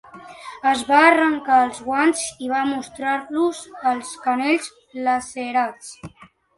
Es va arrencar els guants i va mostrar-los els canells lacerats.